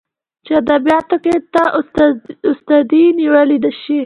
چې ادبياتو کې ته استادي نيولى شې.